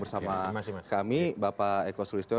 bersama kami bapak eko sulistyo